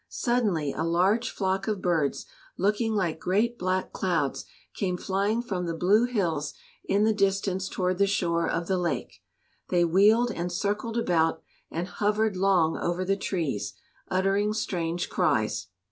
Suddenly a large flock of birds, looking like great black clouds, came flying from the blue hills in the distance toward the shore of the lake. They wheeled and circled about, and hovered long over the trees, uttering strange cries.